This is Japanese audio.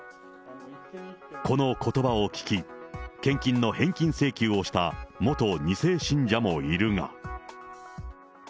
このことばを聞き、献金の返金請求をした元２世信者もいるが。